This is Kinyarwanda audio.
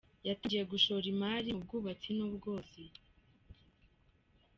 Yatangiye gushora imari mu bwubatsi n’ubworozi.